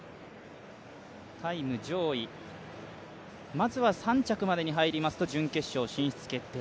タイム上位、まずは３着までに入りますと準決勝進出決定。